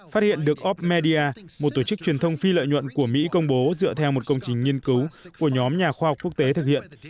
phát hiện được opmedia một tổ chức truyền thông phi lợi nhuận của mỹ công bố dựa theo một công trình nghiên cứu của nhóm nhà khoa học quốc tế thực hiện